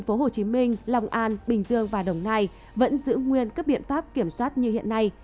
tp hcm long an bình dương và đồng nai vẫn giữ nguyên các biện pháp kiểm soát như hiện nay